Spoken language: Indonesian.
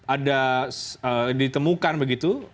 ada ditemukan begitu